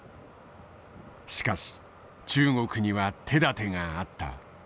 しかし中国には手だてがあった。